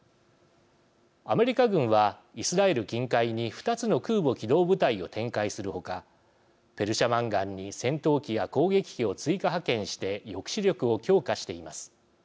アメリカ軍はイスラエル近海に２つの空母機動部隊を展開する他ペルシャ湾岸に戦闘機や攻撃機を追加派遣して抑止力を強化しています。